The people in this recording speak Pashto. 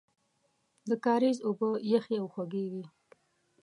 د کاریز اوبه یخې او خوږې وې.